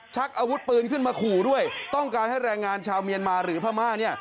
ชักอาวุธปืนขึ้นมาขู่ด้วยต้องการให้แรงงานชาวเมียนมาหรือพม่าเนี่ย